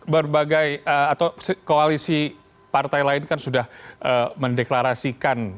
berbagai atau koalisi partai lain kan sudah mendeklarasikan